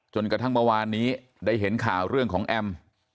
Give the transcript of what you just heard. จนกระทั่งเมื่อวานนี้ได้เห็นข่าวเรื่องของแอม